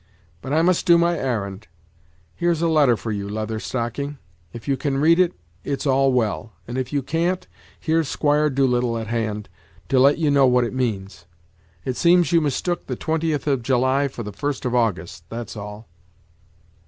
But I must do my arrand. Here's a letter for you, Leather Stocking. If you can read it, it's all well, and if you can't, here's Squire Doolittle at hand, to let you know what it means. It seems you mistook the twentieth of July for the first of August, that's all."